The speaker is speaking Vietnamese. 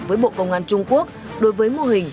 với bộ công an trung quốc đối với mô hình